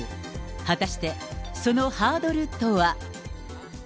果たして、そのハードルとは。